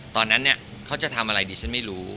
ตอนนั้นเนี่ยเขาจะทำอะไรดิฉันไม่รู้